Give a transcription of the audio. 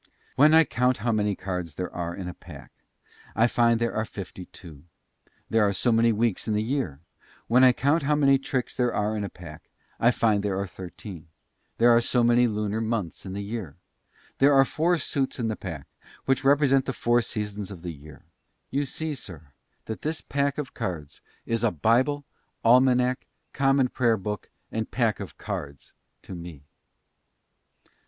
When I count how many cards there are in a pack, I find there are fifty two; there are so many weeks in the year; when I count how many tricks there are in a pack, I find there are thirteen: there are so many lunar months in the year; there are four suits in the pack, which represent the four seasons of the year. You see, sir, that this pack of cards is a Bible, Almanack, Common Prayer book, and Pack of Cards to me."